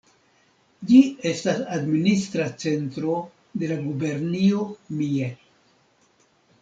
Ĝi estas administra centro de la gubernio Mie.